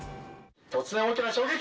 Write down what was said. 突然大きな衝撃。